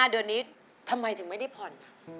เดือนนี้ทำไมถึงไม่ได้ผ่อน